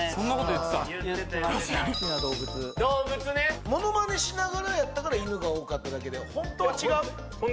言ってた言ってた好きな動物モノマネしながらやったから犬が多かっただけでほんとは違う？